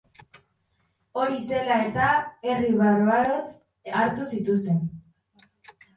Hori zela eta, herri barbarotzat hartu zituzten.